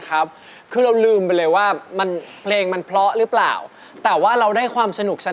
แต่ยังอุตส่ามีวาย